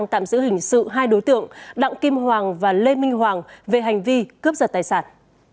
tạm giữ hình sự hai đối tượng đặng kim hoàng và lê minh hoàng về hành vi cướp giật tài sản